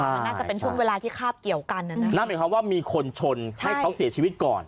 มันน่าจะเป็นช่วงเวลาที่คาบเกี่ยวกันนะนะนั่นหมายความว่ามีคนชนให้เขาเสียชีวิตก่อน